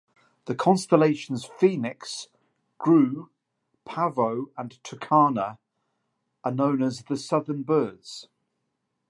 The constellations Phoenix, Grus, Pavo and Tucana, are known as the Southern Birds.